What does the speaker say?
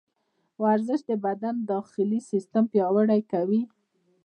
ورزش د بدن داخلي سیسټم پیاوړی کوي.